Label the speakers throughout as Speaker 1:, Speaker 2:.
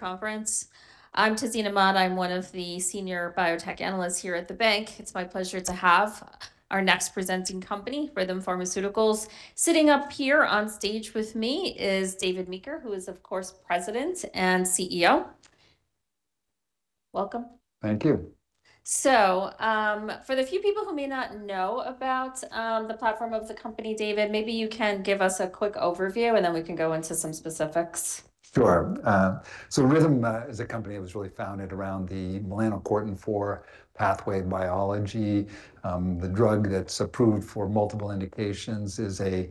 Speaker 1: Conference. I'm Tazeen Ahmad. I'm one of the Senior Biotech Analysts here at the bank. It's my pleasure to have our next presenting company, Rhythm Pharmaceuticals. Sitting up here on stage with me is David Meeker, who is of course President and CEO. Welcome.
Speaker 2: Thank you.
Speaker 1: For the few people who may not know about the platform of the company, David, maybe you can give us a quick overview, and then we can go into some specifics.
Speaker 2: Sure. Rhythm as a company was really founded around the melanocortin-4 pathway biology. The drug that's approved for multiple indications is a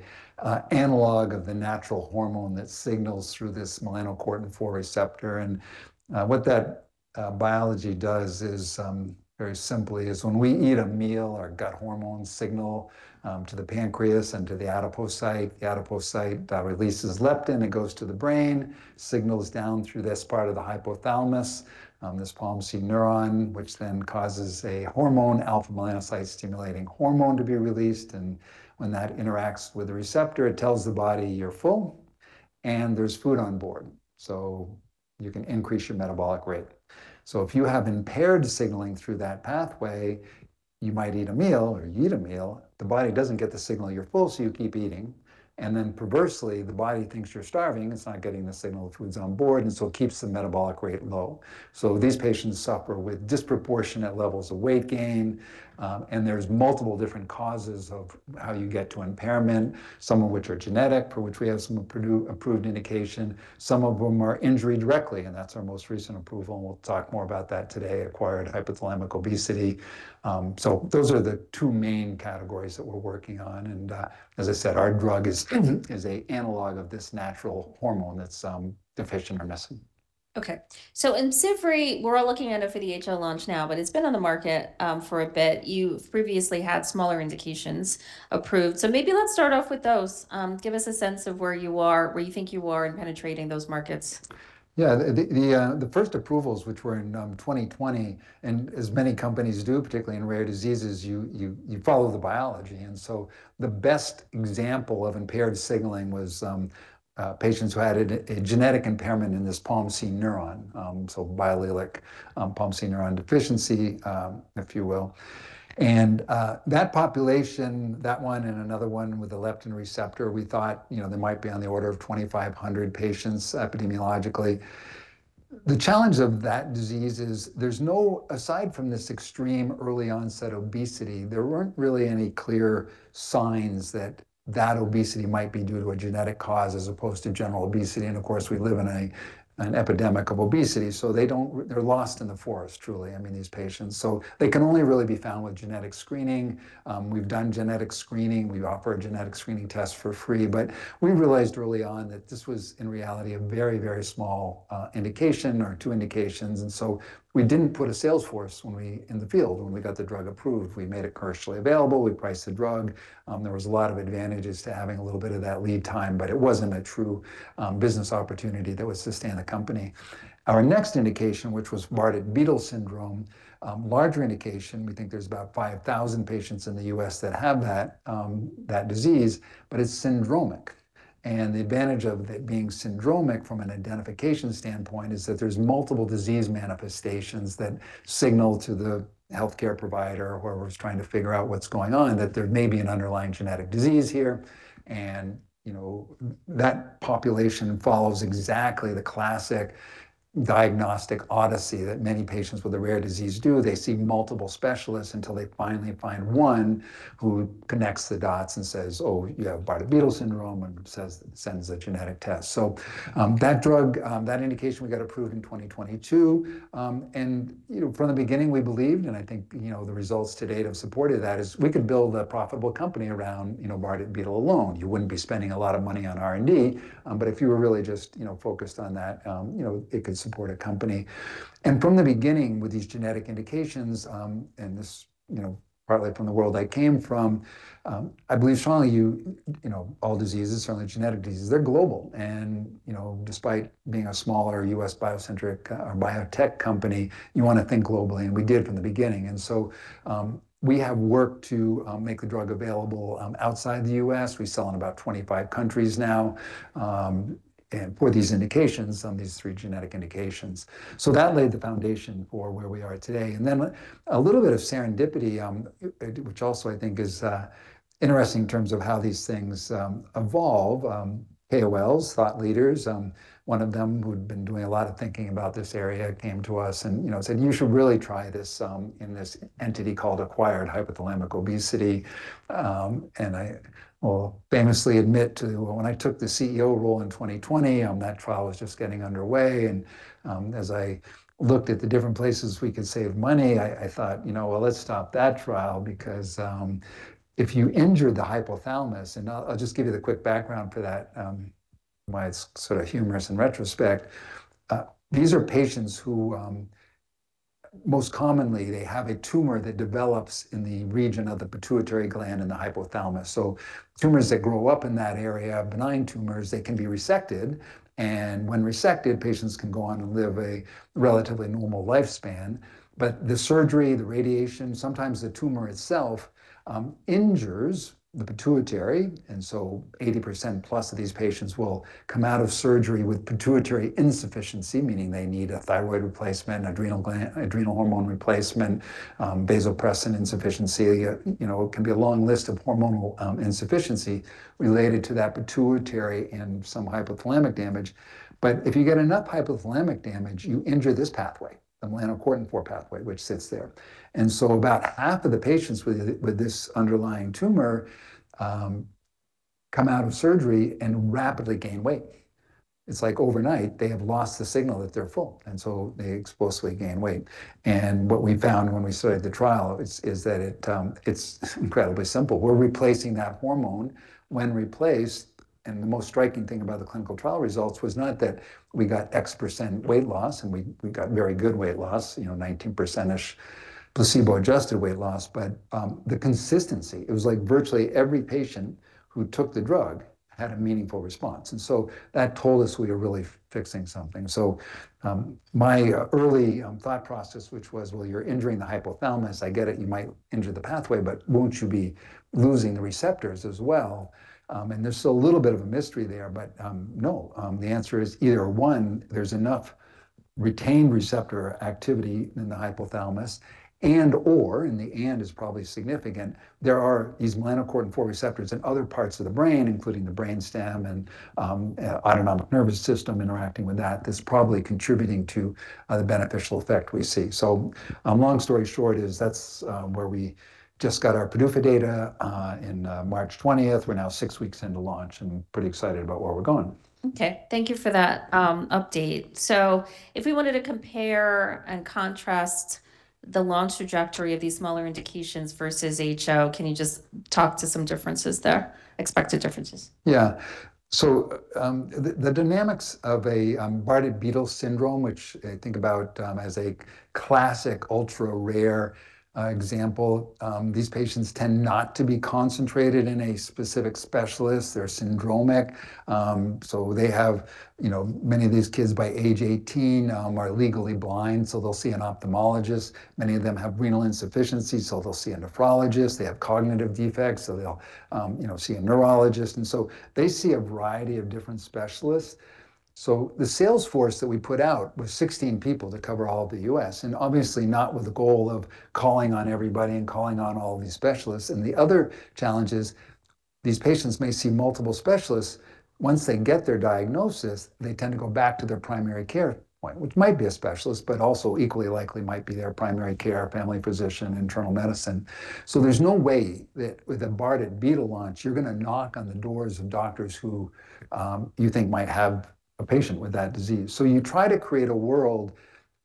Speaker 2: analog of the natural hormone that signals through this melanocortin-4 receptor. What that biology does is very simply is when we eat a meal, our gut hormones signal to the pancreas and to the adipocyte. The adipocyte releases leptin, it goes to the brain, signals down through this part of the hypothalamus, this POMC neuron, which then causes a hormone, alpha-melanocyte-stimulating hormone to be released. When that interacts with the receptor, it tells the body you're full, and there's food on board. You can increase your metabolic rate. If you have impaired signaling through that pathway, you might eat a meal, or you eat a meal, the body doesn't get the signal you're full, you keep eating. Perversely, the body thinks you're starving, it's not getting the signal the food's on board, it keeps the metabolic rate low. These patients suffer with disproportionate levels of weight gain, and there's multiple different causes of how you get to impairment, some of which are genetic, for which we have some approved indication. Some of them are injury directly, that's our most recent approval, we'll talk more about that today, acquired hypothalamic obesity. Those are the two main categories that we're working on. As I said, our drug is a analog of this natural hormone that's deficient or missing.
Speaker 1: In IMCIVREE, we're all looking at it for the HO launch now, but it's been on the market for a bit. You previously had smaller indications approved, maybe let's start off with those. Give us a sense of where you are, where you think you are in penetrating those markets.
Speaker 2: Yeah. The first approvals, which were in 2020, as many companies do, particularly in rare diseases, you follow the biology. The best example of impaired signaling was patients who had a genetic impairment in this POMC neuron, so biallelic POMC neuron deficiency, if you will. That population, that one and another one with a leptin receptor, we thought, you know, there might be on the order of 2,500 patients epidemiologically. The challenge of that disease is Aside from this extreme early onset obesity, there weren't really any clear signs that that obesity might be due to a genetic cause as opposed to general obesity. Of course, we live in an epidemic of obesity, so they're lost in the forest, truly, I mean, these patients. We've done genetic screening. We offer a genetic screening test for free. We realized early on that this was, in reality, a very, very small indication or two indications, we didn't put a sales force in the field when we got the drug approved. We made it commercially available. We priced the drug. There was a lot of advantages to having a little bit of that lead time, but it wasn't a true business opportunity that would sustain the company. Our next indication, which was Bardet-Biedl syndrome, larger indication. We think there's about 5,000 patients in the U.S. that have that disease, but it's syndromic. The advantage of it being syndromic from an identification standpoint is that there's multiple disease manifestations that signal to the healthcare provider, whoever's trying to figure out what's going on, that there may be an underlying genetic disease here. You know, that population follows exactly the classic diagnostic odyssey that many patients with a rare disease do. They see multiple specialists until they finally find one who connects the dots and says, "Oh, you have Bardet-Biedl syndrome," and sends a genetic test. That drug, that indication we got approved in 2022. You know, from the beginning, we believed, and I think, you know, the results to date have supported that, is we could build a profitable company around, you know, Bardet-Biedl alone. You wouldn't be spending a lot of money on R&D, but if you were really just, you know, focused on that, you know, it could support a company. From the beginning, with these genetic indications, and this, you know, partly from the world I came from, I believe strongly you know, all diseases, certainly genetic diseases, they're global. You know, despite being a smaller U.S. biotech company, you wanna think globally, and we did from the beginning. We have worked to make the drug available outside the U.S. We sell in about 25 countries now, and for these indications, these three genetic indications. That laid the foundation for where we are today. A little bit of serendipity, which also I think is interesting in terms of how these things evolve. KOLs, thought leaders, one of them who'd been doing a lot of thinking about this area came to us and, you know, said, "You should really try this in this entity called acquired hypothalamic obesity." I will famously admit to when I took the CEO role in 2020, that trial was just getting underway, as I looked at the different places we could save money, I thought, "You know, well, let's stop that trial because if you injure the hypothalamus." I'll just give you the quick background for that, why it's sort of humorous in retrospect. Most commonly, they have a tumor that develops in the region of the pituitary gland and the hypothalamus. Tumors that grow up in that area, benign tumors, they can be resected. When resected, patients can go on and live a relatively normal lifespan. The surgery, the radiation, sometimes the tumor itself, injures the pituitary. 80% plus of these patients will come out of surgery with pituitary insufficiency, meaning they need a thyroid replacement, adrenal hormone replacement, vasopressin insufficiency. You know, it can be a long list of hormonal insufficiency related to that pituitary and some hypothalamic damage. If you get enough hypothalamic damage, you injure this pathway, the melanocortin-4 pathway, which sits there. About half of the patients with this underlying tumor come out of surgery and rapidly gain weight. It's like overnight, they have lost the signal that they're full, they explosively gain weight. What we found when we started the trial is that it's incredibly simple. We're replacing that hormone when replaced, the most striking thing about the clinical trial results was not that we got X percent weight loss, we got very good weight loss, you know, 19%-ish placebo-adjusted weight loss, but the consistency. It was like virtually every patient who took the drug had a meaningful response. That told us we were really fixing something. My early thought process, which was, "Well, you're injuring the hypothalamus. I get it, you might injure the pathway, but won't you be losing the receptors as well? There's still a little bit of a mystery there. No. The answer is either, one, there's enough retained receptor activity in the hypothalamus and/or, and the and is probably significant, there are these melanocortin-4 receptors in other parts of the brain, including the brainstem and autonomic nervous system interacting with that that's probably contributing to the beneficial effect we see. Long story short is that's where we just got our PDUFA data in March 20th. We're now six weeks into launch and pretty excited about where we're going.
Speaker 1: Okay. Thank you for that update. If we wanted to compare and contrast the launch trajectory of these smaller indications versus HO, can you just talk to some differences there, expected differences?
Speaker 2: Yeah. The dynamics of a Bardet-Biedl syndrome, which I think about as a classic ultra-rare example, these patients tend not to be concentrated in a specific specialist. They're syndromic. They have, you know, many of these kids by age 18 are legally blind, so they'll see an ophthalmologist. Many of them have renal insufficiency, so they'll see a nephrologist. They have cognitive defects, so they'll, you know, see a neurologist. They see a variety of different specialists. The sales force that we put out was 16 people to cover all of the U.S., and obviously not with the goal of calling on everybody and calling on all of these specialists. The other challenge is these patients may see multiple specialists. Once they get their diagnosis, they tend to go back to their primary care point, which might be a specialist, but also equally likely might be their primary care family physician, internal medicine. There's no way that with a Bardet-Biedl launch, you're gonna knock on the doors of doctors who you think might have a patient with that disease. You try to create a world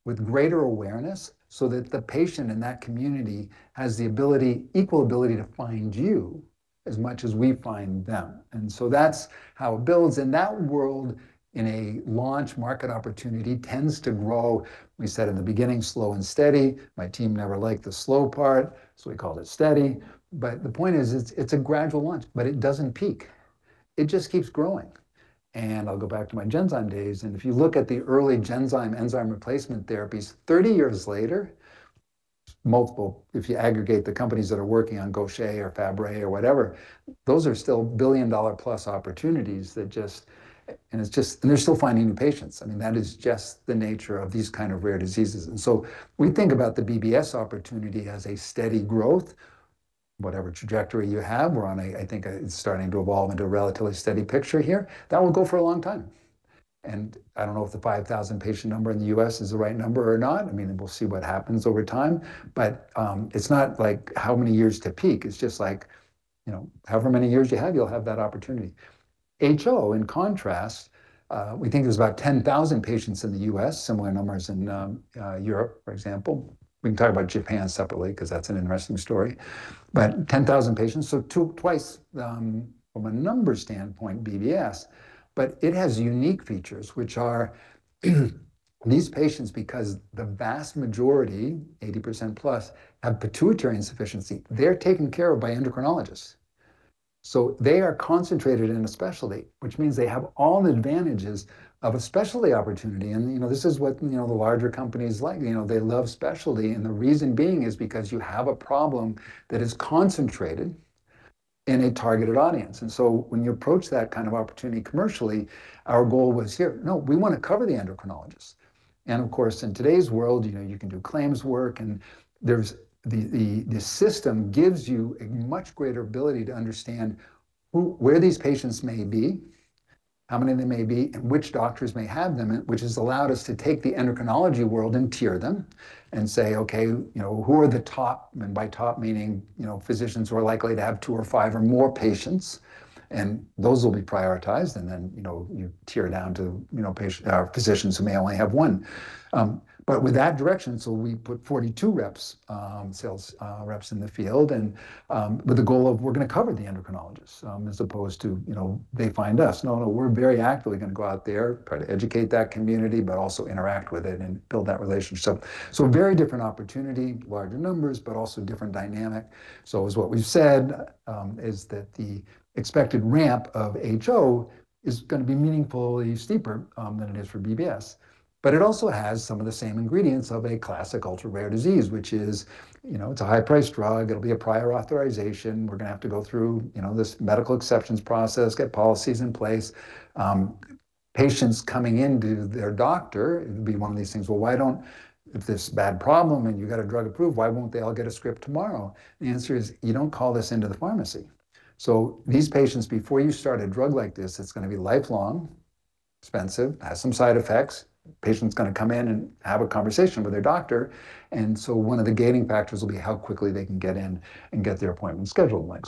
Speaker 2: with greater awareness so that the patient in that community has the ability, equal ability to find you as much as we find them. That's how it builds. In that world, in a launch market opportunity tends to grow, we said in the beginning, slow and steady. My team never liked the slow part, so we called it steady. The point is, it's a gradual launch, but it doesn't peak. It just keeps growing. I'll go back to my Genzyme days, if you look at the early Genzyme enzyme replacement therapies, 30 years later, multiple, if you aggregate the companies that are working on Gaucher or Fabry or whatever, those are still billion-dollar-plus opportunities that just It's just they're still finding new patients. I mean, that is just the nature of these kind of rare diseases. We think about the BBS opportunity as a steady growth, whatever trajectory you have. We're on a, I think it's starting to evolve into a relatively steady picture here. That will go for a long time. I don't know if the 5,000 patient number in the U.S. is the right number or not. I mean, we'll see what happens over time. It's not like how many years to peak. It's just like, you know, however many years you have, you'll have that opportunity. HO, in contrast, we think there's about 10,000 patients in the U.S., similar numbers in Europe, for example. We can talk about Japan separately 'cause that's an interesting story. 10,000 patients, so twice from a numbers standpoint, BBS. It has unique features, which are these patients, because the vast majority, 80%+, have pituitary insufficiency, they're taken care of by endocrinologists. They are concentrated in a specialty, which means they have all the advantages of a specialty opportunity. You know, this is what, you know, the larger companies like. You know, they love specialty, and the reason being is because you have a problem that is concentrated in a targeted audience. When you approach that kind of opportunity commercially, our goal was here. No, we wanna cover the endocrinologists. Of course, in today's world, you know, you can do claims work, and the system gives you a much greater ability to understand who, where these patients may be, how many they may be, and which doctors may have them, which has allowed us to take the endocrinology world and tier them and say, "Okay, you know, who are the top?" By top meaning, you know, physicians who are likely to have two or five or more patients. Those will be prioritized, and then, you know, you tier down to, you know, physicians who may only have one. With that direction, we put 42 reps, sales, reps in the field, and with the goal of we're gonna cover the endocrinologists, as opposed to, you know, they find us. No, we're very actively gonna go out there, try to educate that community, but also interact with it and build that relationship. Very different opportunity, larger numbers, but also different dynamic. As what we've said, is that the expected ramp of HO is gonna be meaningfully steeper than it is for BBS. It also has some of the same ingredients of a classic ultra-rare disease, which is, you know, it's a high-priced drug. It'll be a prior authorization. We're gonna have to go through, you know, this medical exceptions process, get policies in place. Patients coming in to their doctor, it would be one of these things. Why don't If this bad problem and you got a drug approved, why won't they all get a script tomorrow? The answer is, you don't call this into the pharmacy. These patients, before you start a drug like this, it's gonna be lifelong, expensive, has some side effects. Patient's gonna come in and have a conversation with their doctor. 1 of the gating factors will be how quickly they can get in and get their appointment scheduled, like.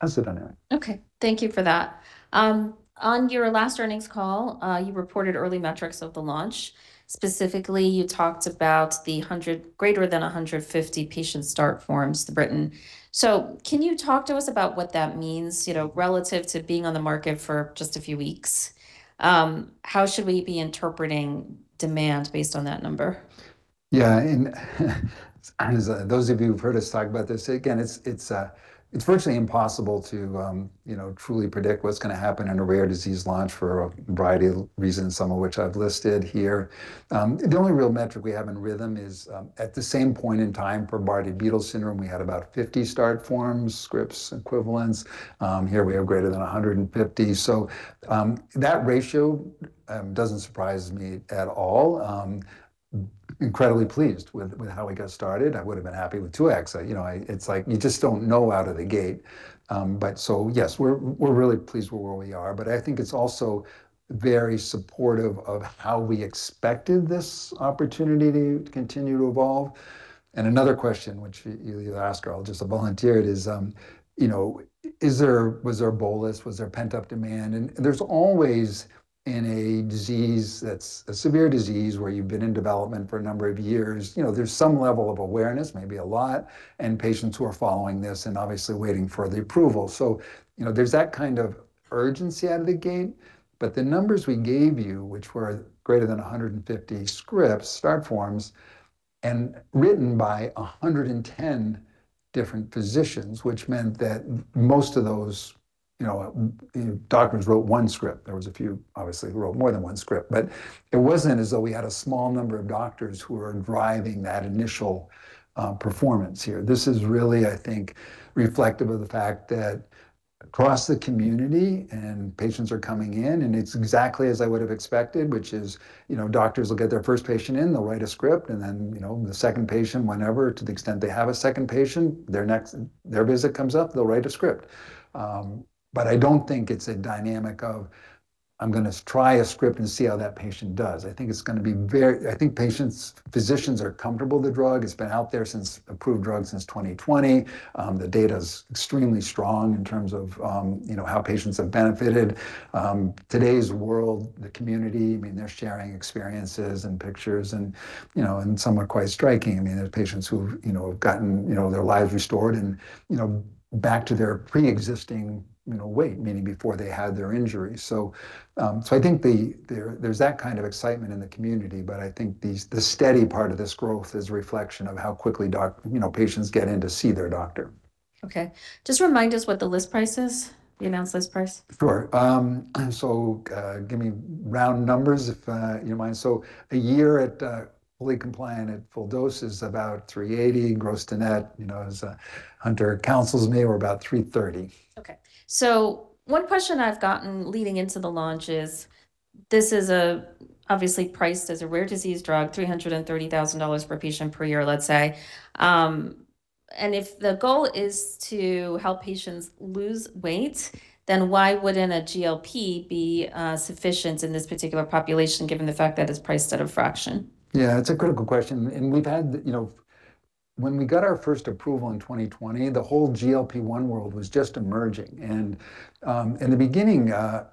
Speaker 2: That's the dynamic.
Speaker 1: Thank you for that. On your last earnings call, you reported early metrics of the launch. Specifically, you talked about the greater than 150 patient start forms written. Can you talk to us about what that means, you know, relative to being on the market for just a few weeks? How should we be interpreting demand based on that number?
Speaker 2: As those of you who've heard us talk about this, again, it's virtually impossible to, you know, truly predict what's gonna happen in a rare disease launch for a variety of reasons, some of which I've listed here. The only real metric we have in Rhythm is at the same point in time for Bardet-Biedl syndrome, we had about 50 start forms, scripts equivalents. Here we have greater than 150. That ratio doesn't surprise me at all. Incredibly pleased with how we got started. I would've been happy with 2x. You know, it's like you just don't know out of the gate. Yes, we're really pleased with where we are, but I think it's also very supportive of how we expected this opportunity to continue to evolve. Another question, which you either ask or I'll just volunteer it, is, you know, was there bolus? Was there pent-up demand? There's always, in a disease that's a severe disease where you've been in development for a number of years, you know, there's some level of awareness, maybe a lot, and patients who are following this and obviously waiting for the approval. You know, there's that kind of urgency out of the gate, but the numbers we gave you, which were greater than 150 scripts, start forms, and written by 110 different physicians, which meant that most of those, you know, doctors wrote 1 script. There was a few, obviously, who wrote more than one script. It wasn't as though we had a small number of doctors who were driving that initial performance here. This is really, I think, reflective of the fact that across the community, patients are coming in, it's exactly as I would've expected, which is, you know, doctors will get their first patient in, they'll write a script, then, you know, the second patient, whenever, to the extent they have a second patient, their next, their visit comes up, they'll write a script. I don't think it's a dynamic of I'm gonna try a script and see how that patient does. I think patients, physicians are comfortable with the drug. It's been out there since, approved drug since 2020. The data's extremely strong in terms of, you know, how patients have benefited. Today's world, the community, I mean, they're sharing experiences and pictures and, you know, some are quite striking. I mean, there's patients who've, you know, have gotten, you know, their lives restored and, you know, back to their preexisting, you know, weight, meaning before they had their injury. I think there's that kind of excitement in the community, but I think these, the steady part of this growth is a reflection of how quickly, you know, patients get in to see their doctor.
Speaker 1: Okay. Just remind us what the list price is, the announced list price.
Speaker 2: Sure. Give me round numbers if you don't mind. A year at fully compliant at full dose is about $380. Gross to net, you know, as Hunter counsels me, we're about $330.
Speaker 1: Okay. One question I've gotten leading into the launch is, this is obviously priced as a rare disease drug, $330,000 per patient per year, let's say. If the goal is to help patients lose weight, then why wouldn't a GLP be sufficient in this particular population given the fact that it's priced at a fraction?
Speaker 2: Yeah, it's a critical question, and we've had, you know, when we got our first approval in 2020, the whole GLP-1 world was just emerging. In the beginning, I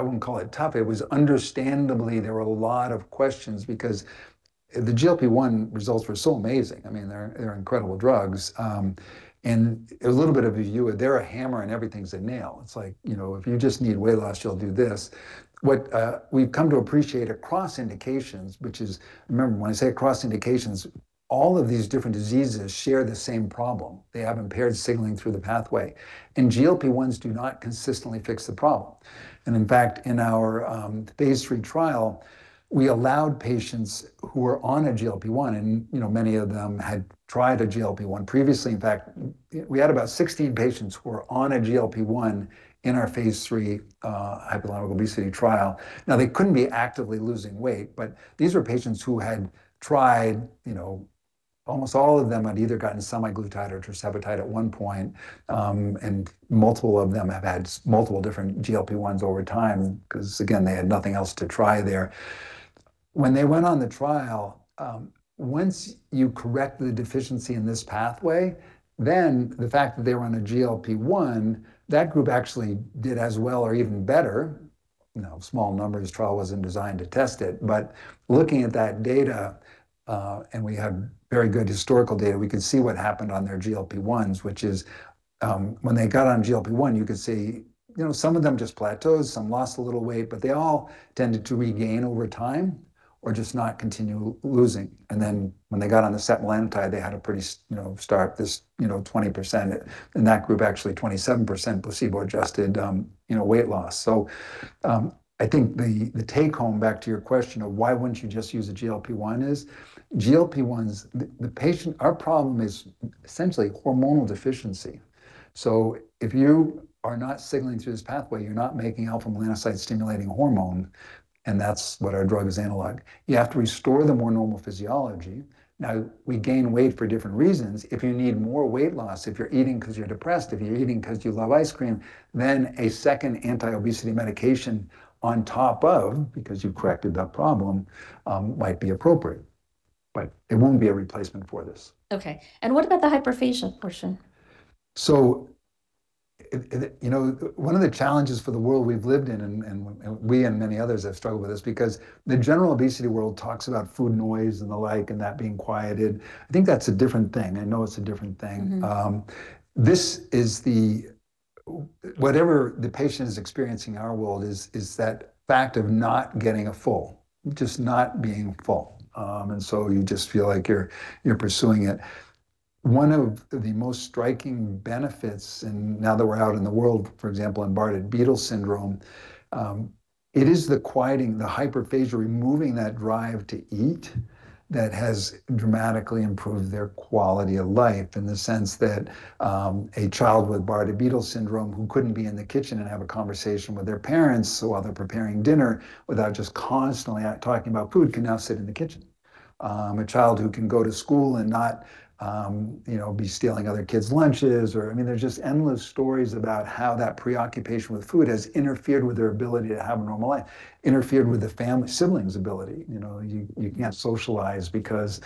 Speaker 2: wouldn't call it tough, it was understandably there were a lot of questions because the GLP-1 results were so amazing. I mean, they're incredible drugs. A little bit of a view of they're a hammer and everything's a nail. It's like, you know, if you just need weight loss, you'll do this. What we've come to appreciate across indications, which is Remember, when I say across indications, all of these different diseases share the same problem. They have impaired signaling through the pathway, and GLP-1s do not consistently fix the problem. In fact, in our phase III trial, we allowed patients who were on a GLP-1, and you know, many of them had tried a GLP-1 previously. In fact, we had about 16 patients who were on a GLP-1 in our phase III hypothalamic obesity trial. Now, they couldn't be actively losing weight, but these were patients who had tried, you know, almost all of them had either gotten semaglutide or tirzepatide at one point, and multiple of them have had multiple different GLP-1s over time, cause again, they had nothing else to try there. When they went on the trial, once you correct the deficiency in this pathway, then the fact that they were on a GLP-1, that group actually did as well or even better. You know, small numbers, trial wasn't designed to test it. Looking at that data, and we have very good historical data, we could see what happened on their GLP-1s, which is, when they got on GLP-1, you could see, you know, some of them just plateaued, some lost a little weight, but they all tended to regain over time or just not continue losing. When they got on the setmelanotide, they had a pretty you know, start. This, you know, 20%. In that group, actually 27% placebo-adjusted, you know, weight loss. I think the take home, back to your question of why wouldn't you just use a GLP-1 is, GLP-1s, the patient our problem is essentially hormonal deficiency. If you are not signaling through this pathway, you're not making alpha-melanocyte-stimulating hormone, and that's what our drug is analog. You have to restore the more normal physiology. We gain weight for different reasons. If you need more weight loss, if you're eating 'cause you're depressed, if you're eating 'cause you love ice cream, then a second anti-obesity medication on top of, because you've corrected that problem, might be appropriate. It won't be a replacement for this.
Speaker 1: Okay. What about the hyperphagia portion?
Speaker 2: It, you know, one of the challenges for the world we've lived in, and we and many others have struggled with this, because the general obesity world talks about food noise and the like, and that being quieted. I think that is a different thing. I know it is a different thing. This is the Whatever the patient is experiencing in our world is that fact of not getting a full, just not being full. So you just feel like you're pursuing it. One of the most striking benefits, and now that we're out in the world, for example, in Bardet-Biedl syndrome, it is the quieting the hyperphagia, removing that drive to eat, that has dramatically improved their quality of life in the sense that a child with Bardet-Biedl syndrome who couldn't be in the kitchen and have a conversation with their parents while they're preparing dinner, without just constantly talking about food, can now sit in the kitchen. A child who can go to school and not, you know, be stealing other kids' lunches or I mean, there's just endless stories about how that preoccupation with food has interfered with their ability to have a normal life, interfered with the family sibling's ability. You know, you can't socialize because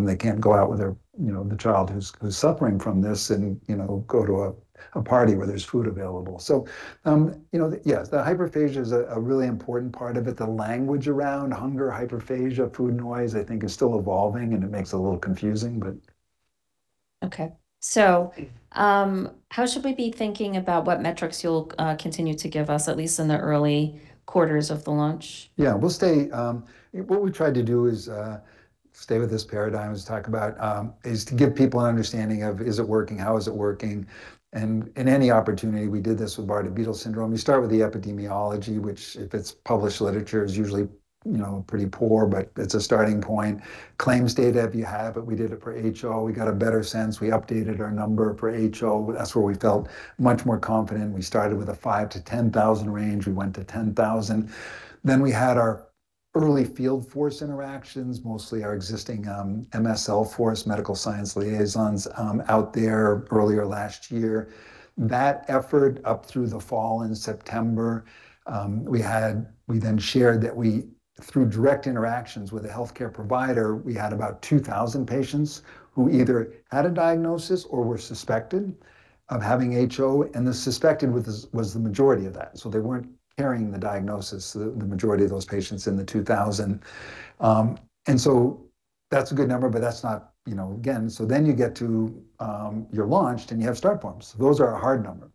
Speaker 2: they can't go out with their, you know, the child who's suffering from this and, you know, go to a party where there's food available. You know, yes, the hyperphagia is a really important part of it. The language around hunger, hyperphagia, food noise, I think is still evolving, and it makes it a little confusing.
Speaker 1: Okay. How should we be thinking about what metrics you'll continue to give us, at least in the early quarters of the launch?
Speaker 2: Yeah. What we tried to do is stay with this paradigm, is talk about, is to give people an understanding of is it working, how is it working. In any opportunity, we did this with Bardet-Biedel syndrome. You start with the epidemiology, which if it's published literature, is usually, you know, pretty poor, but it's a starting point. Claims data, if you have it. We did it for HO. We got a better sense. We updated our number for HO. That's where we felt much more confident. We started with a 5,000-10,000 range. We went to 10,000. We had our early field force interactions, mostly our existing MSL force, medical science liaisons, out there earlier last year. That effort up through the fall in September, we then shared that through direct interactions with a healthcare provider, we had about 2,000 patients who either had a diagnosis or were suspected of having HO, and the suspected was the majority of that. They weren't carrying the diagnosis, the majority of those patients in the 2,000. That's a good number, but that's not, you know, again. You get to, you're launched, and you have start forms. Those are a hard number.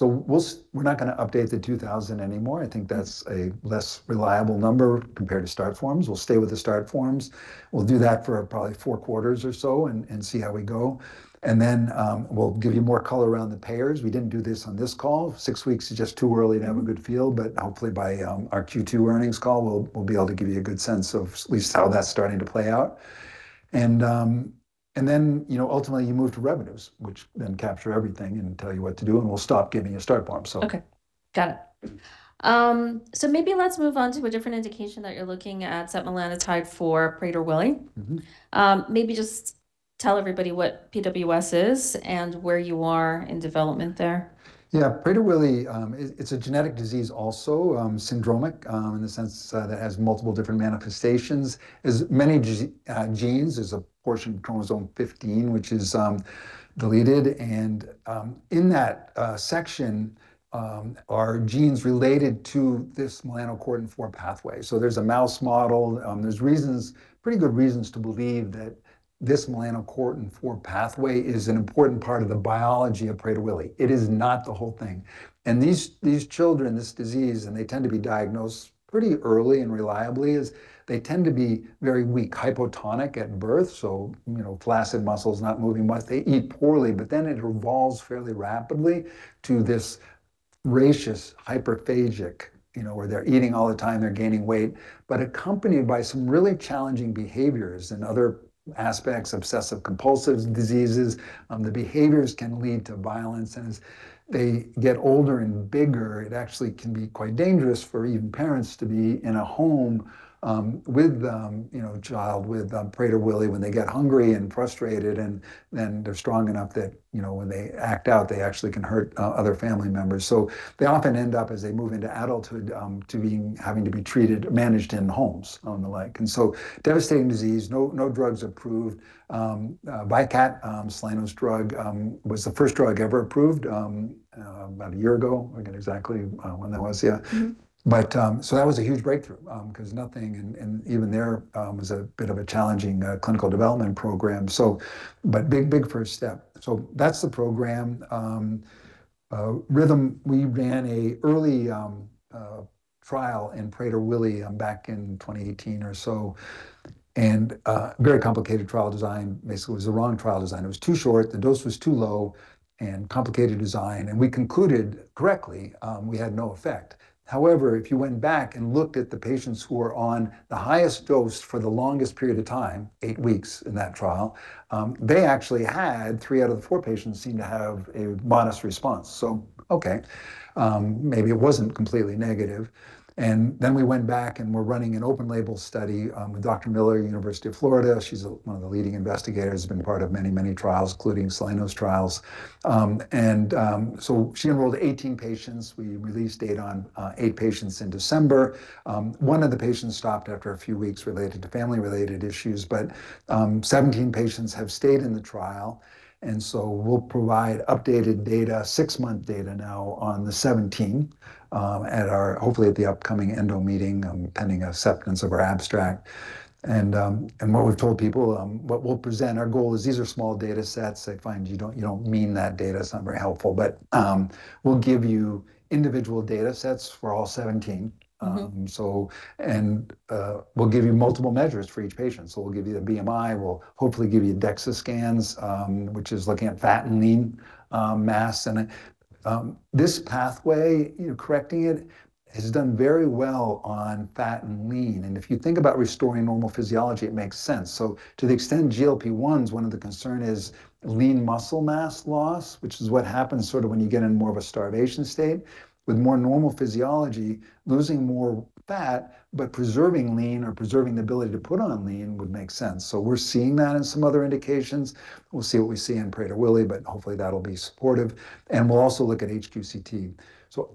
Speaker 2: We're not gonna update the 2,000 anymore. I think that's a less reliable number compared to start forms. We'll stay with the start forms. We'll do that for probably four quarters or so and see how we go. We'll give you more color around the payers. We didn't do this on this call. Six weeks is just too early to have a good feel, but hopefully by our Q2 earnings call, we'll be able to give you a good sense of at least how that's starting to play out. Then, you know, ultimately you move to revenues, which then capture everything and tell you what to do, and we'll stop giving you start forms.
Speaker 1: Okay. Got it. Maybe let's move on to a different indication that you're looking at setmelanotide for, Prader-Willi. Maybe just tell everybody what PWS is and where you are in development there?
Speaker 2: Yeah. Prader-Willi, it's a genetic disease also, syndromic, in the sense that it has multiple different manifestations. As many genes, there's a portion of chromosome 15 which is deleted, and in that section, are genes related to this melanocortin-4 pathway. There's a mouse model. There's reasons, pretty good reasons to believe that this melanocortin-4 pathway is an important part of the biology of Prader-Willi. It is not the whole thing. These children, this disease, and they tend to be diagnosed pretty early and reliably, is they tend to be very weak, hypotonic at birth, so, you know, flaccid muscles, not moving much. They eat poorly. It revolves fairly rapidly to this voracious hyperphagic, you know, where they're eating all the time, they're gaining weight, but accompanied by some really challenging behaviors and other aspects, obsessive compulsive diseases. The behaviors can lead to violence. As they get older and bigger, it actually can be quite dangerous for even parents to be in a home, with, you know, a child with Prader-Willi when they get hungry and frustrated, and then they're strong enough that, you know, when they act out, they actually can hurt other family members. They often end up, as they move into adulthood, to being, having to be treated, managed in homes and the like. Devastating disease, no drugs approved. VYKAT, Celgene's drug, was the first drug ever approved about a year ago. Forget exactly when that was. Yeah. That was a huge breakthrough, 'cause nothing, and even there, was a bit of a challenging clinical development program. Big first step. That's the program. Rhythm, we ran a early trial in Prader-Willi back in 2018 or so. A very complicated trial design. Basically it was the wrong trial design. It was too short, the dose was too low, and complicated design. We concluded, correctly, we had no effect. However, if you went back and looked at the patients who were on the highest dose for the longest period of time, eight weeks in that trial, they actually had, three out of the four patients seemed to have a modest response. Okay, maybe it wasn't completely negative. We went back and we're running an open-label study with Dr. Miller at University of Florida. She's one of the leading investigators, been part of many, many trials, including Soleno trials. She enrolled 18 patients. We released data on eight patients in December. One of the patients stopped after a few weeks related to family-related issues. 17 patients have stayed in the trial, and we'll provide updated data, six month data now, on the 17, hopefully at the upcoming ENDO meeting, pending acceptance of our abstract. What we've told people, what we'll present, our goal is these are small data sets. I find you don't mean that data. It's not very helpful. We'll give you individual data sets for all 17. We'll give you multiple measures for each patient. We'll give you the BMI, we'll hopefully give you DEXA scans, which is looking at fat and lean mass. This pathway, you know, correcting it, has done very well on fat and lean. If you think about restoring normal physiology, it makes sense. To the extent GLP-1s, one of the concern is lean muscle mass loss, which is what happens sort of when you get in more of a starvation state. With more normal physiology, losing more fat but preserving lean or preserving the ability to put on lean would make sense. We're seeing that in some other indications. We'll see what we see in Prader-Willi, but hopefully that'll be supportive. We'll also look at HQ-CT.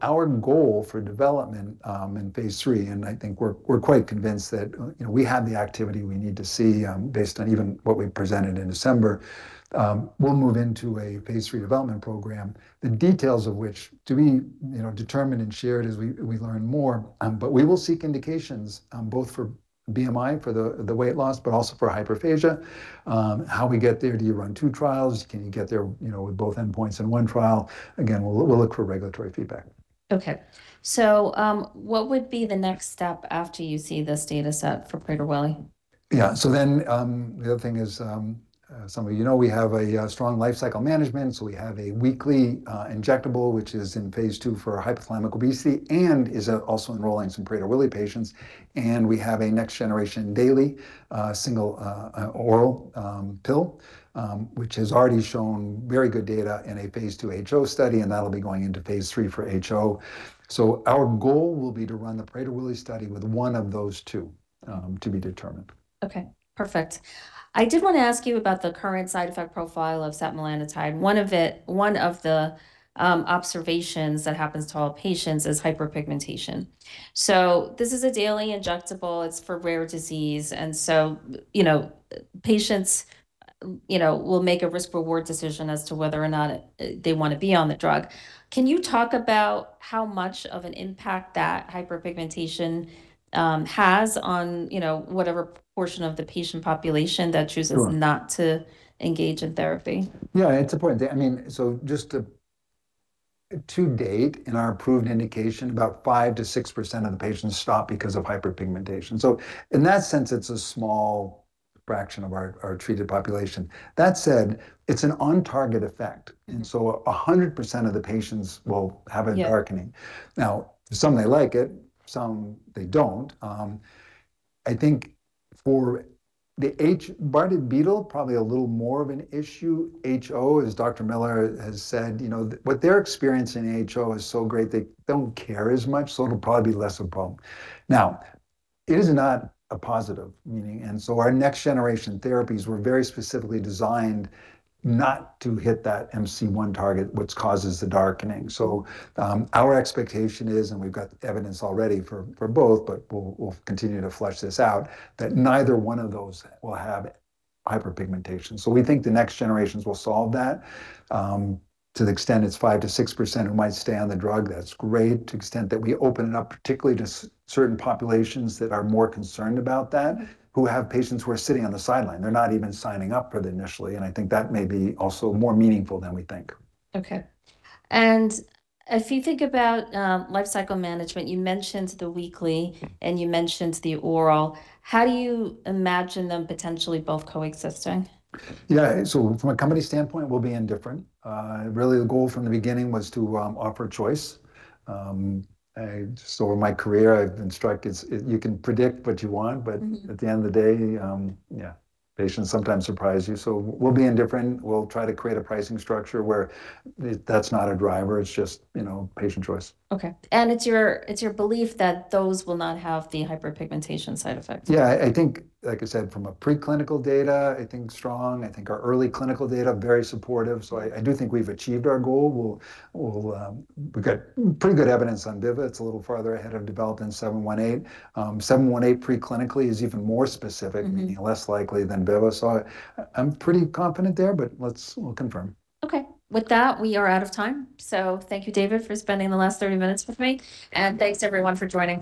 Speaker 2: Our goal for development in phase III, I think we're quite convinced that, you know, we have the activity we need to see, based on even what we presented in December, we'll move into a phase III development program, the details of which to be, you know, determined and shared as we learn more. We will seek indications both for BMI, for the weight loss, but also for hyperphagia. How we get there, do you run two trials? Can you get there, you know, with both endpoints in one trial? We'll look for regulatory feedback.
Speaker 1: Okay. What would be the next step after you see this data set for Prader-Willi?
Speaker 2: The other thing is, some of you know we have a strong life cycle management, we have a weekly injectable, which is in phase II for hypothalamic obesity, and is also enrolling some Prader-Willi patients. We have a next generation daily single oral pill, which has already shown very good data in a Phase II HO study, and that'll be going into phase III for HO. Our goal will be to run the Prader-Willi study with one of those two, to be determined.
Speaker 1: Okay. Perfect. I did want to ask you about the current side effect profile of setmelanotide. One of the observations that happens to all patients is hyperpigmentation. This is a daily injectable, it's for rare disease, you know, patients, you know, will make a risk-reward decision as to whether or not they want to be on the drug. Can you talk about how much of an impact that hyperpigmentation has on, you know, whatever portion of the patient population that chooses?
Speaker 2: Sure
Speaker 1: not to engage in therapy?
Speaker 2: Yeah, it's important. I mean, to date in our approved indication, about 5% to 6% of the patients stop because of hyperpigmentation. In that sense, it's an on target effect. 100% of the patients will have a darkening.
Speaker 1: Yeah.
Speaker 2: Some they like it, some they don't. I think for the Bardet-Biedl, probably a little more of an issue. HO, as Jennifer Miller has said, you know, what they're experiencing in HO is so great they don't care as much, it'll probably be less a problem. It is not a positive. Our next generation therapies were very specifically designed not to hit that MC1 target, which causes the darkening. Our expectation is, and we've got evidence already for both, but we'll continue to flesh this out, that neither one of those will have hyperpigmentation. We think the next generations will solve that. To the extent it's 5%-6% who might stay on the drug, that's great. To the extent that we open it up particularly to certain populations that are more concerned about that, who have patients who are sitting on the sideline, they're not even signing up for it initially, and I think that may be also more meaningful than we think.
Speaker 1: Okay. If you think about life cycle management, you mentioned the weekly and you mentioned the oral. How do you imagine them potentially both coexisting?
Speaker 2: Yeah. From a company standpoint, we'll be indifferent. Really the goal from the beginning was to offer choice. I, just over my career I've been struck. At the end of the day, yeah, patients sometimes surprise you. We'll be indifferent. We'll try to create a pricing structure where that's not a driver. It's just, you know, patient choice.
Speaker 1: Okay. It's your belief that those will not have the hyperpigmentation side effect?
Speaker 2: Yeah. I think, like I said, from a preclinical data, I think strong. I think our early clinical data, very supportive.
Speaker 1: Yeah.
Speaker 2: I do think we've achieved our goal. We'll we got pretty good evidence on [biva]. It's a little farther ahead of development than RM-718. RM-718 preclinically is even more specific. meaning less likely than [bivamelagon]. I'm pretty confident there, but we'll confirm.
Speaker 1: Okay. With that, we are out of time. Thank you, David, for spending the last 30 minutes with me. Thanks everyone for joining.